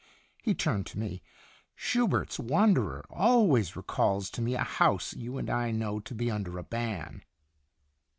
He turned to me. "Schubert's 'Wanderer' always recalls to me a house you and I know to be under a ban."